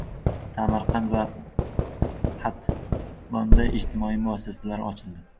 Samarqand va Xatlonda ijtimoiy muassasalar ochildi